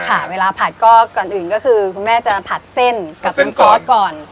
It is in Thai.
ค่ะเวลาผัดก็ก่อนอื่นก็คือคุณแม่จะผัดเส้นกับน้ำซอสก่อน